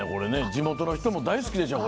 地元の人も大好きでしょ。